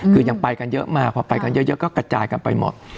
คือยังไปกันเยอะมากพอไปกันเยอะก็กระจายกันไปหมด